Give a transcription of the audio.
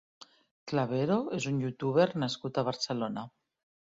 Clavero és un youtuber nascut a Barcelona.